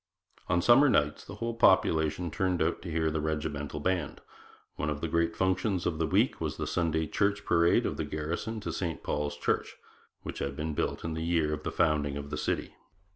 ' On summer nights the whole population turned out to hear the regimental band. One of the great functions of the week was the Sunday church parade of the garrison to St Paul's Church, which had been built in the year of the founding of the city.